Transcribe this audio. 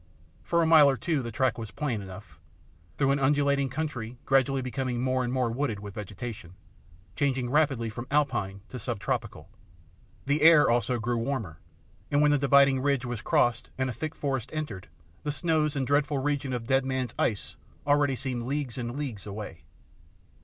For a mile or two the track was plain enough, through an undulating country gradually becoming more and more wooded with vegetation, changing rapidly from Alpine to sub tropical. The air also grew warmer, and when the dividing ridge was crossed and a thick forest entered, the snows and dreadful region of Deadmen's Ice already seemed leagues and leagues away.